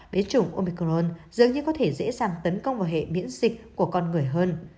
bế chủng omicron dường như có thể dễ dàng tấn công vào hệ miễn dịch của con người hơn